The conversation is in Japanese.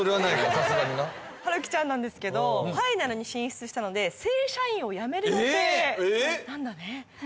さすがにな春希ちゃんなんですけどファイナルに進出したので正社員を辞める予定なんだねええっ！？